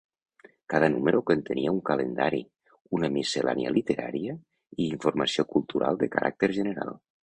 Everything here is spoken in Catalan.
Cada número contenia un calendari, una miscel·lània literària i informació cultural de caràcter general.